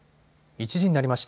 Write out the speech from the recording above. １時になりました。